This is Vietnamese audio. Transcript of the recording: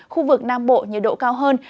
khu vực nam bộ nhiệt độ cao hơn